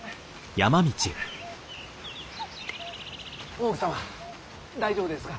大奥様大丈夫ですか？